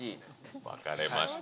分かれました。